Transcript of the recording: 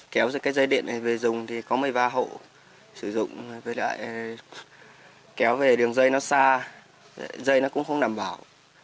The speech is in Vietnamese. kéo dây điện về dùng thì có một mươi ba hộ sử dụng kéo về đường dây nó xa dây nó cũng không đảm bảo